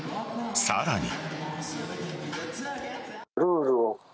さらに。